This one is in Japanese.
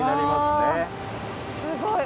わすごい！